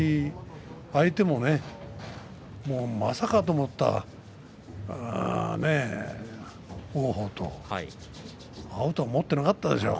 相手もまさかと思った王鵬と合うと思っていなかったでしょう。